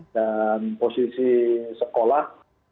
dan posisi sekolah